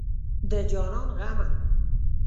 د جانان غمه